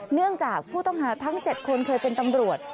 เนื่องจากผู้ต้องหาทั้ง๗คนเคยเป็นตำรวจ